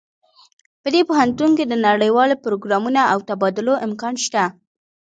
په دې پوهنتون کې د نړیوالو پروګرامونو او تبادلو امکان شته